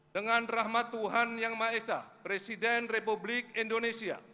dengan rahmat tuhan yang maha esa presiden republik indonesia